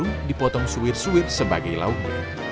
ikan tindar dipotong suwir suwir sebagai lauk